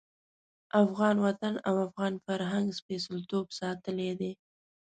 افغان وطن او افغان فرهنګ سپېڅلتوب ساتلی دی.